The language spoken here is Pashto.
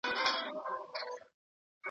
آيا د خپل ځان ساتنه ميرمن جنتي کوي؟